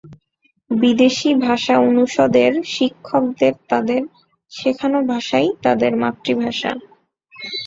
বিদেশী ভাষা অনুষদের শিক্ষকদের তাদের শেখানো ভাষাই তাদের মাতৃভাষা।